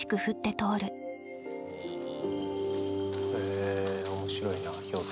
え面白いな表現。